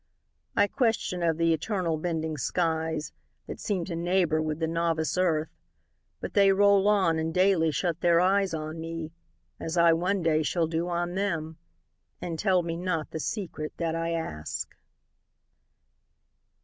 I question of th' eternal bending skies That seem to neighbor with the novice earth; But they roll on and daily shut their eyes On me, as I one day shall do on them, And tell me not the secret that I ask.